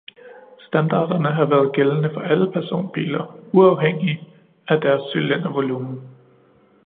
Standarderne har været gældende for alle personbiler uafhængigt af deres cylindervolumen.